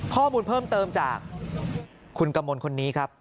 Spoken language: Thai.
ข้อมูลเพิ่มเติมจากคุณกมลคนนี้ครับ